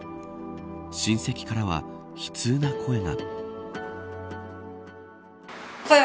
親戚からは悲痛な声が。